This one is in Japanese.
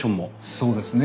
そうですね。